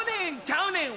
ちゃうねん！